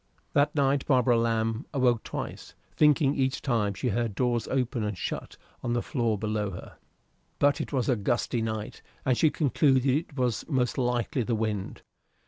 That night Barbara Lamb awoke twice, thinking each time she heard doors open and shut on the floor below her. But it was a gusty night, and she concluded it was most likely the wind.